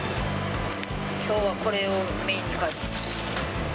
きょうはこれをメインに買いに来ました。